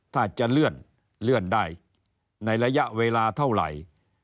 ถ้าจะเลื่อนได้ในระยะเวลาเท่าไหร่